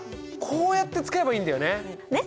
こうやって使えばいいんだよね。ね？